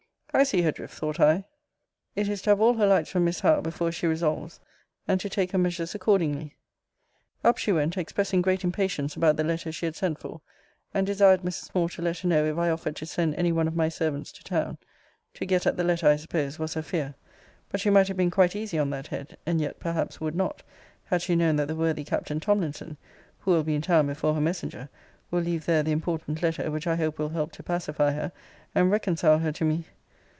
I see her drift, thought I; it is to have all her lights from Miss Howe before she resolves, and to take her measures accordingly. Up she went expressing great impatience about the letter she had sent for; and desired Mrs. Moore to let her know if I offered to send any one of my servants to town to get at the letter, I suppose, was her fear; but she might have been quite easy on that head; and yet, perhaps, would not, had she known that the worthy Captain Tomlinson, (who will be in town before her messenger,) will leave there the important letter, which I hope will help to pacify her, and reconcile her to me.